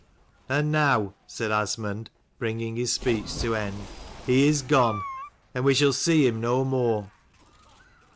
And now," said Asmund, bringing his speech to end, " He is gone, and we shall see him no more.